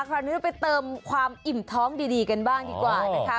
คราวนี้เราไปเติมความอิ่มท้องดีกันบ้างดีกว่านะคะ